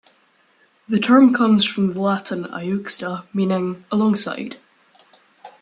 The term comes from the Latin "iuxta", meaning "alongside".